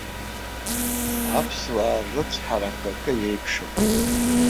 Аԥсуаа ррыцҳарақәа акы еиԥшым.